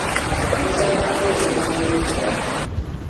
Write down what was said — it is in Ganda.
Mpisa ya nsi okulima ebiggya.